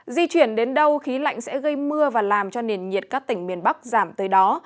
di chuyển đến đâu khí lạnh sẽ gây mưa và làm cho nền nhiệt các tỉnh miền bắc giảm tới đó